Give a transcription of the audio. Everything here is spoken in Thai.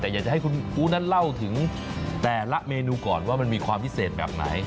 แต่อยากจะให้คุณปูนั้นเล่าถึงแต่ละเมนูก่อนว่ามันมีความพิเศษแบบไหน